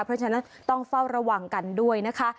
เพราะฉะนั้นต้องเฝ้าระวังกันด้วยนะคะ